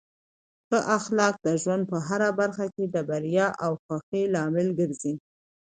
ښه اخلاق د ژوند په هره برخه کې د بریا او خوښۍ لامل ګرځي.